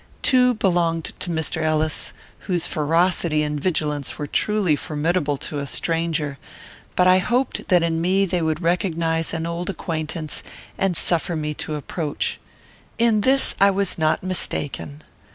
Two belonged to Mr. Ellis, whose ferocity and vigilance were truly formidable to a stranger; but I hoped that in me they would recognise an old acquaintance, and suffer me to approach. In this I was not mistaken.